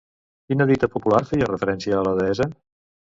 Quina dita popular feia referència a la deessa?